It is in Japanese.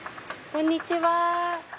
こんにちは。